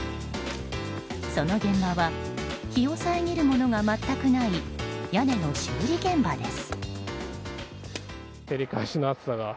その現場は日を遮るものが全くない屋根の修理現場です。